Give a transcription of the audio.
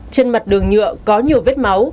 trên mặt đường nhựa có nhiều vết máu